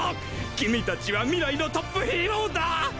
君たちは未来のトップヒーローだ！